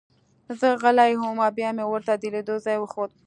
زه غلی وم او بیا مې ورته د لیدو ځای وښود